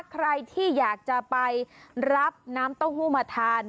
ใครที่อยากจะไปรับน้ำเต้าหู้มาทาน